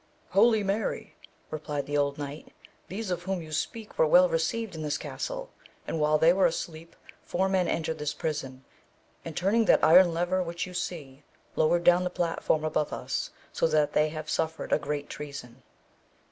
Holy Mary, replied the old knight 1 these of whom you speak were well received in this castle, and while they were asleep four men entered this prison, and turning that iron lever which you see lowered down the platform above us, so that they have suffered a great treason.